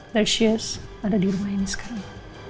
there's use ada di rumah ini sekarang